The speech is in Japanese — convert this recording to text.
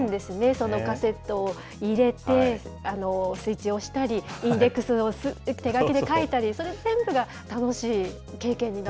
そのカセットを入れて、スイッチを押したり、インデックス手書きで書いたり、それ全部が楽しい経験になって。